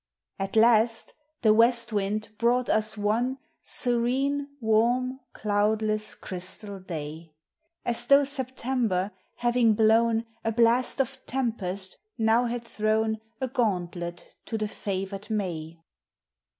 At last the west wind brought us one Serene, warm, cloudless, crystal day, As though September, having blown A blast of tempest, now had thrown A gauntlet to the favored May.